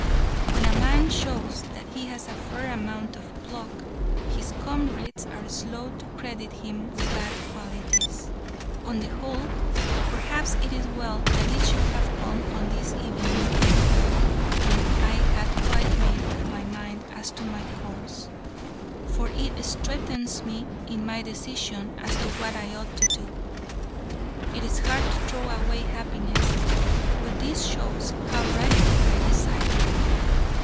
When a man shows that he has a fair amount of pluck, his comrades are slow to credit him with bad qualities. On the whole, perhaps it is well that it should have come on this evening of all when I had quite made up my mind as to my course, for it strengthens me in my decision as to what I ought to do. It is hard to throw away happiness, but this shows how rightly I decided.